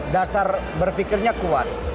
dasar berpikirnya kuat